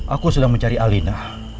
aku sedang mencari alina